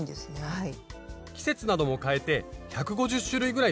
はい。